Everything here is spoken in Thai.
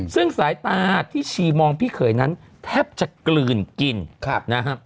ซึ่งสายตาที่ชีมองพี่เขยนั้นแทบจะกลืนกินนะฮะ